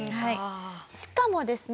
しかもですね